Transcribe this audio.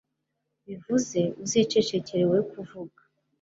Bivuze uzicecekera we kuvuga